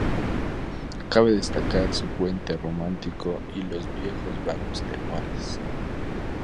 Cabe destacar su puente románico y los viejos baños termales.